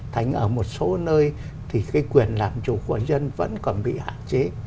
thành ở một số nơi thì cái quyền làm chủ của dân vẫn còn bị hạn chế